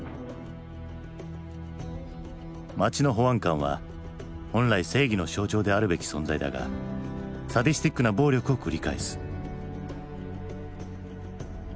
街の保安官は本来正義の象徴であるべき存在だがサディスティックな暴力を繰り返す。